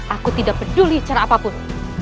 aku tidak peduli cara apapun